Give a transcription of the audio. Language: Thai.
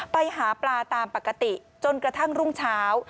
ไปหาปลาตามปกติจนกระทั่งรุ่งเช้า